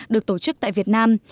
được tổ chức tại việt nam